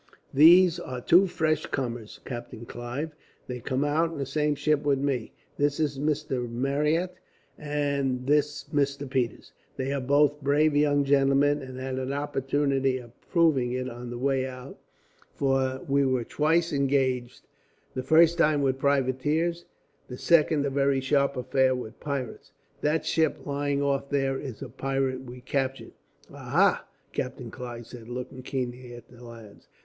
"These are two fresh comers, Captain Clive. They came out in the same ship with me. This is Mr. Marryat, this Mr. Peters. They are both brave young gentlemen, and had an opportunity of proving it on the way out, for we were twice engaged; the first time with privateers; the second, a very sharp affair, with pirates. That ship lying off there is a pirate we captured." "Aha!" Captain Clive said, looking keenly at the lads.